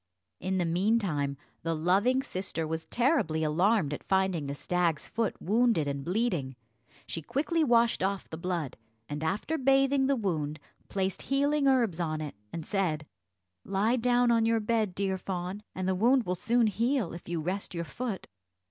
In the meantime the loving sister was terribly alarmed at finding the stag's foot wounded and bleeding. She quickly washed off the blood, and, after bathing the wound, placed healing herbs on it, and said, "Lie down on your bed, dear fawn, and the wound will soon heal, if you rest your foot."